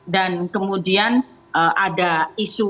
dan kemudian ada isu